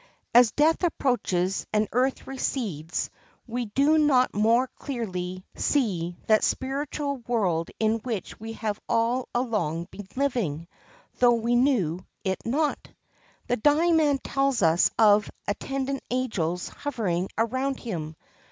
As death approaches and earth recedes do we not more clearly see that spiritual world in which we have all along been living, though we knew it not? The dying man tells us of attendant angels hovering around him.